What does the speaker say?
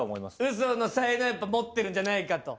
嘘の才能持ってるんじゃないかと。